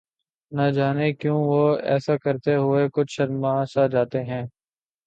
نہ جانے کیوں وہ ایسا کرتے ہوئے کچھ شرماسا جاتے ہیں